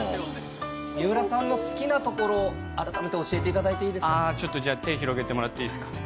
水卜さんの好きなところ、改めて教えていただいていいですかちょっとじゃあ、手を広げてもらっていいですか？